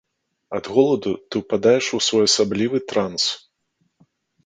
Ад голаду ты ўпадаеш у своеасаблівы транс.